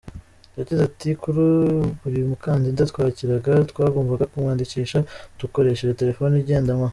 Yagize ati “Kuri buri mukandida twakiraga, twagombaga kumwandikisha dukoresheje telefoni igendanwa.